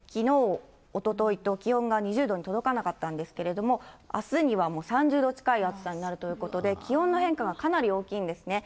ここまできのう、おとといと、気温が２０度に届かなかったんですけれども、あすにはもう３０度近い暑さになるということで、気温の変化がかなり大きいんですね。